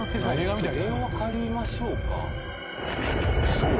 ［そう。